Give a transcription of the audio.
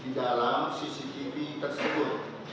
di dalam cctv tersebut